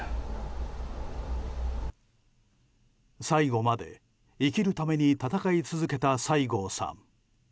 最後まで生きるために闘い続けた西郷さん。